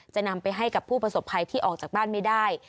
จะนำไปให้กับผู้ประสบภัยที่ออกจากบ้านไม่ได้